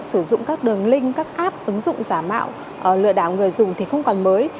sử dụng các đường link các app ứng dụng giả mạo lừa đảo người dùng thì không còn mới